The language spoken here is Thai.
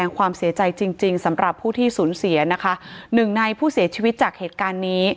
ความเสียใจจริงจริงสำหรับผู้ที่สูญเสียนะคะหนึ่งในผู้เสียชีวิตจากเหตุการณ์นี้